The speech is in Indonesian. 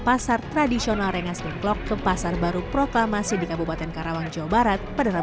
pasar tradisional rengas dengklok ke pasar baru proklamasi di kabupaten karawang jawa barat pada rabu